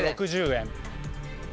３６０円。